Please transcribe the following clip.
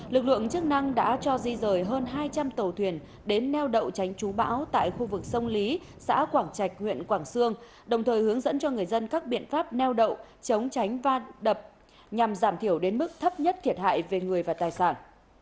lực lượng chức năng đã cho di rời hơn hai trăm linh tàu thuyền đến neo đậu tránh chú bão tại khu vực sông lý xã quảng trạch huyện quảng sương đồng thời hướng dẫn cho người dân các biện pháp neo đậu chống tránh va đập nhằm giảm thiểu đến mức thấp nhất thiệt hại về người và tài sản